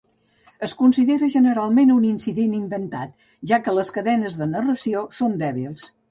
Es considera generalment un incident inventat, ja que les cadenes de narració són dèbils.